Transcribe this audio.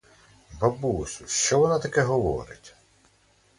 Бабусю, що вона таке говорить?